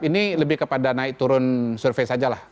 ini lebih kepada naik turun survei saja lah